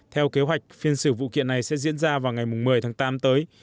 theo kế hoạch phiên xử vụ kiện này sẽ diễn ra vào ngày một mươi tháng tám tới